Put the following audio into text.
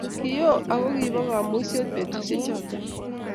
Kioo ako kibo kamuiset betusiechoto